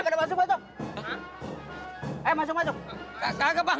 kita ini teman temannya gausah keras